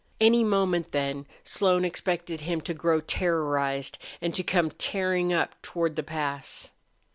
Any moment, then, Slone expected him to grow terrorized and to come tearing up toward the pass.